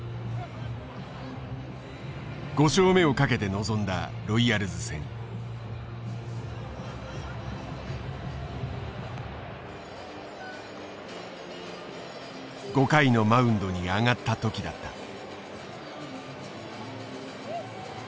５勝目をかけて臨んだロイヤルズ戦。５回のマウンドに上がった時だった。